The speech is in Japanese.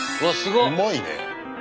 うまいね。